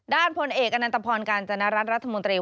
พลเอกอนันตพรกาญจนรัฐรัฐมนตรี